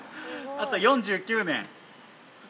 あと４９年。